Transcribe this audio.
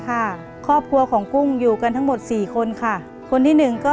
รายการต่อไปนี้เป็นรายการทั่วไปสามารถรับชมได้ทุกวัย